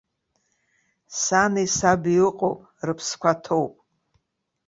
Сани саби ыҟоуп, рыԥсқәа ҭоуп!